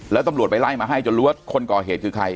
แล้วตำรวจไปไล่มาให้จนรู้ว่าคนก่อเหตุคือใคร